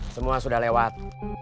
semua sudah lewat